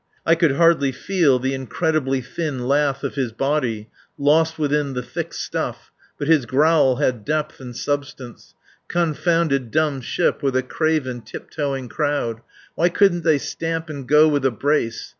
I could hardly feel the incredibly thin lath of his body, lost within the thick stuff, but his growl had depth and substance: Confounded dump ship with a craven, tiptoeing crowd. Why couldn't they stamp and go with a brace?